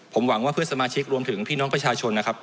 ผมหวังว่าเพื่อนสมาชิกรวมถึงพี่น้องประชาชนนะครับ